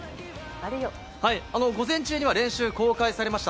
午前中には練習が公開されました。